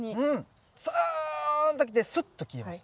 ツーンときてスッと消えました。